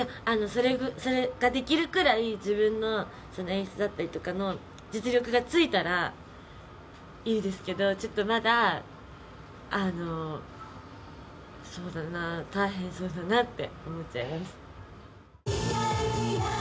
あのそれができるくらい自分のその演出だったりとかの実力がついたらいいですけどちょっとまだあのそうだな大変そうだなって思っちゃいます